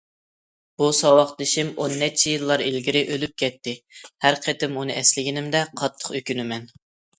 بۇ ساۋاقدىشىم ئون نەچچە يىللار ئىلگىرى ئۆلۈپ كەتتى، ھەر قېتىم ئۇنى ئەسلىگىنىمدە قاتتىق ئۆكۈنىمەن.